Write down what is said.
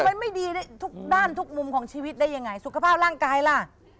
มันไม่ดีในทุกด้านทุกมุมของชีวิตได้ยังไงสุขภาพร่างกายล่ะ